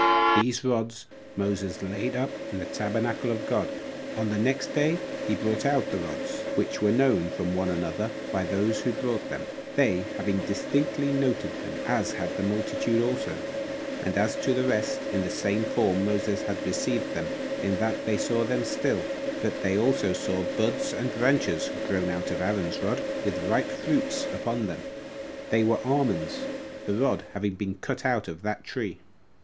These rods Moses laid up in the tabernacle of God. On the next day he brought out the rods, which were known from one another by those who brought them, they having distinctly noted them, as had the multitude also; and as to the rest, in the same form Moses had received them, in that they saw them still; but they also saw buds and branches grown out of Aaron's rod, with ripe fruits upon them; they were almonds, the rod having been cut out of that tree.